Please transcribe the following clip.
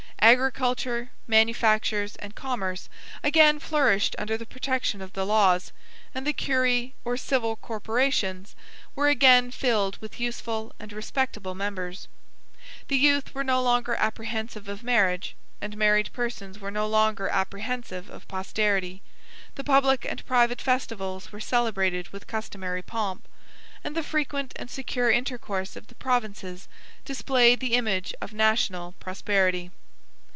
Agriculture, manufactures, and commerce, again flourished under the protection of the laws; and the curiæ, or civil corporations, were again filled with useful and respectable members: the youth were no longer apprehensive of marriage; and married persons were no longer apprehensive of posterity: the public and private festivals were celebrated with customary pomp; and the frequent and secure intercourse of the provinces displayed the image of national prosperity.